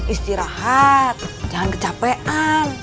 istirahat jangan kecapean